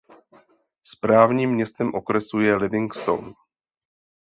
Správním městem okresu je Livingston.